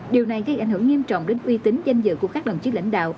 điều này gây ảnh hưởng nghiêm trọng đến uy tín danh dự của các đồng chí lãnh đạo